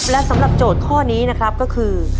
และสำหรับโจทย์ข้อนี้นะครับก็คือ